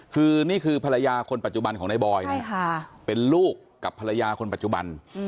คือนี่คือภรรยาคนปัจจุบันของนายบอยนะเป็นลูกกับภรรยาคนปัจจุบัน